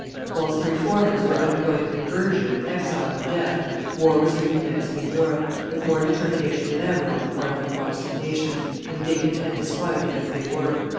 Whilst the reformers were undergoing conversion, exile, or death, war was recommencing in Europe, with more determination than ever on the part of the Protestant nations, indignant and disquieted as they were.